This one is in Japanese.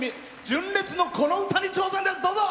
純烈の、この歌に挑戦です。